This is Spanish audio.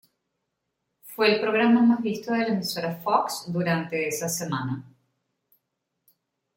Fue el programa más visto de la emisora Fox durante esa semana.